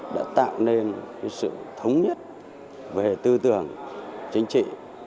đã tạo nên sự thống nhất về tư tưởng chính trị